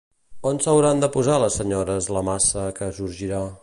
On s'hauran de posar les senyores la massa que sorgirà?